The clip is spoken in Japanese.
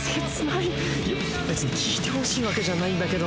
いや別に聞いてほしいわけじゃないんだけど。